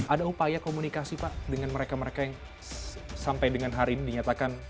ada upaya komunikasi pak dengan mereka mereka yang sampai dengan hari ini dinyatakan